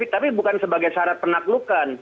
tapi bukan sebagai syarat penaklukan